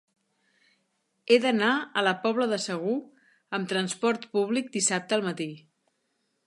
He d'anar a la Pobla de Segur amb trasport públic dissabte al matí.